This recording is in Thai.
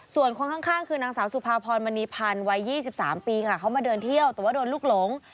ส่วนคนข้างคือนางสาวสุภาพรมณีพันธ์วัย๒๓ปีค่ะเขามาเดินเที่ยวแต่ว่าโดนลูกหลง